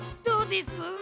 どうです？